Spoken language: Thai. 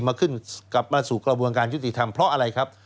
มาขึ้นกลับมาสู่กระบวนการยุติธรรมเพราะอะไรครับ